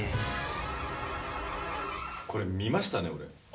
これ見ましたね、俺。